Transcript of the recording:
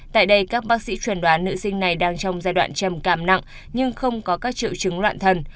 tại đây các bác sĩ chuẩn đoán nữ sinh này đang trong giai đoạn trầm cảm nặng nhưng không có các triệu chứng loạn thần